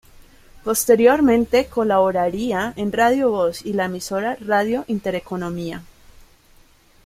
Posteriormente colaboraría en "Radio Voz" y la emisora "Radio Intereconomía".